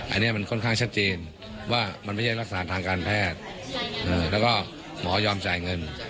อันนี้มันค่อนข้างชัดเจนว่ามันไม่ใช่ลักษณะทางการแพทย์แล้วก็หมอยอมจ่ายเงิน